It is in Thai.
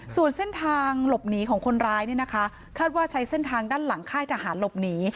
ส่วนเส้นทางหลบหนีของคนร้ายเนี่ยนะคะคาดว่าใช้เส้นทางด้านหลังค่ายทหารหลบหนี